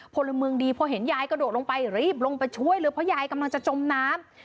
พลเมืองดีพอเห็นยายกระโดดลงไปรีบลงไปช่วยเลยเพราะยายกำลังจะจมน้ำ